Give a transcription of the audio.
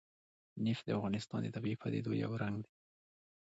نفت د افغانستان د طبیعي پدیدو یو رنګ دی.